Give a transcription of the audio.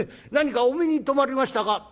何かお目に留まりましたか？」。